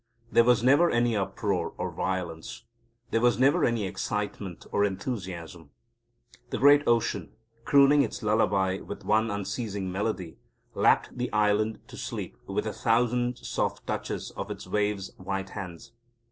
There was never any uproar or violence. There was never any excitement or enthusiasm. The great ocean, crooning its lullaby with one unceasing melody, lapped the island to sleep with a thousand soft touches of its wave's white hands.